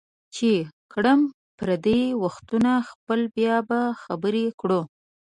چې کړم پردي وختونه خپل بیا به خبرې کوو